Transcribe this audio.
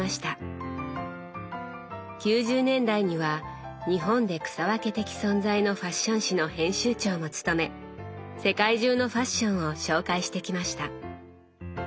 ９０年代には日本で草分け的存在のファッション誌の編集長も務め世界中のファッションを紹介してきました。